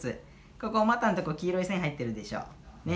ここお股のとこ黄色い線入ってるでしょ。ね？